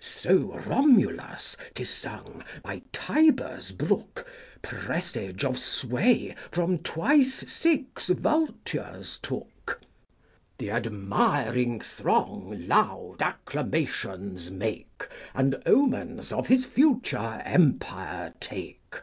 So Romulus, 'tis sung, by Tiber's brook, 130 Presage of sway from twice six vultures took. The admiring throng loud acclamations make, And omens of his future empire take.